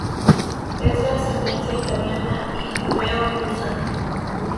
Es de ascendencia italiana y judeo-rusa